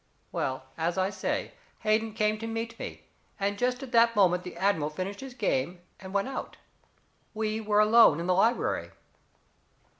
Well, as I say, Hayden came to meet me, and just at that moment the admiral finished his game and went out. We were alone in the library.